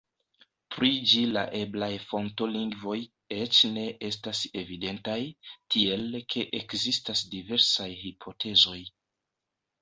Pri ĝi la eblaj fonto-lingvoj eĉ ne estas evidentaj, tiel ke ekzistas diversaj hipotezoj.